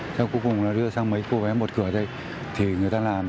sau cuối cùng đưa sang mấy cô bé một cửa thì người ta làm